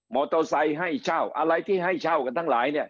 โตไซค์ให้เช่าอะไรที่ให้เช่ากันทั้งหลายเนี่ย